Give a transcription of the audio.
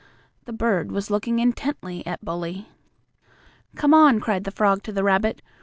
The bird was looking intently at Bully. "Come on!" cried the frog to the rabbit.